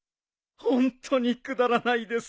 ホントにくだらないですね